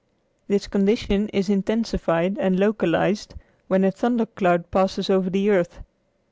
This condition is intensified and localized when a thunder cloud passes over the earth.